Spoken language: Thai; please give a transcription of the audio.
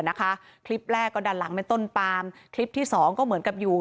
นะคะคลิปแรกก็ดันหลังเป็นต้นปามคลิปที่สองก็เหมือนกับอยู่